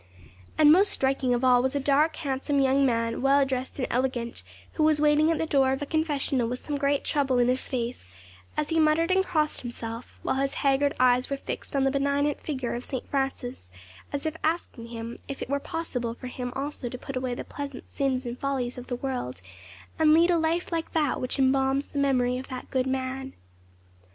And most striking of all was a dark, handsome young man, well dressed and elegant, who was waiting at the door of a confessional with some great trouble in his face, as he muttered and crossed himself, while his haggard eyes were fixed on the benignant figure of St. Francis, as if asking himself if it were possible for him also to put away the pleasant sins and follies of the world, and lead a life like that which embalms the memory of that good man.